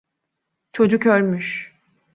Çocuk ölmüş.